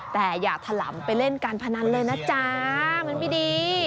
แต่อย่าถลำไปเล่นการพนันเลยนะจ๊ะมันไม่ดี